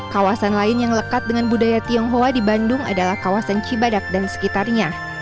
kawasan lain yang lekat dengan budaya tionghoa di bandung adalah kawasan cibadak dan sekitarnya